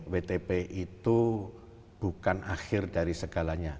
wtp itu bukan akhir dari segalanya